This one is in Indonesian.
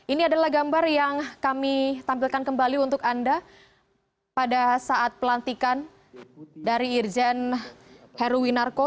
ini adalah gambar yang kami tampilkan kembali untuk anda pada saat pelantikan dari irjen heruwinarko